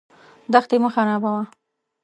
دښتې مه خرابوه.